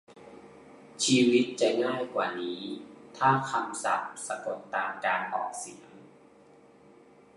ชีวิตจะง่ายกว่านี้ถ้าคำศัพท์สะกดตามการออกเสียง